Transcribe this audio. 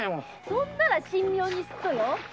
それなら神妙にすっとよ。